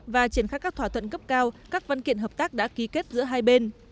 và triển khai các thỏa thuận cấp cao các văn kiện hợp tác đã ký kết giữa hai bên